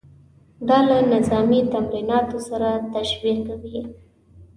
دا له نظامي تمریناتو سره تشبیه کوي.